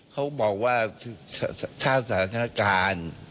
เขาบอกว่าถ้าสถานการณ์